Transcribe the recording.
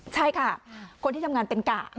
ใช่ค่ะคนที่ทำงานเป็นกะ